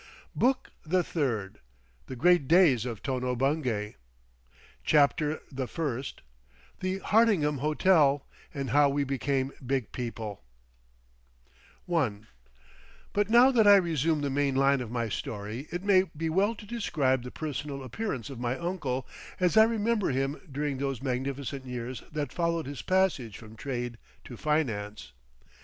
BOOK THE THIRD THE GREAT DAYS OF TONO BUNGAY CHAPTER THE FIRST THE HARDINGHAM HOTEL, AND HOW WE BECAME BIG PEOPLE I But now that I resume the main line of my story it may be well to describe the personal appearance of my uncle as I remember him during those magnificent years that followed his passage from trade to finance.